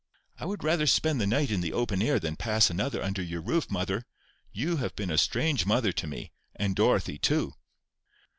"I would rather spend the night in the open air than pass another under your roof, mother. You have been a strange mother to me—and Dorothy too!"